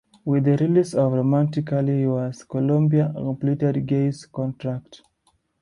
With the release of "Romantically Yours", Columbia completed Gaye's contract.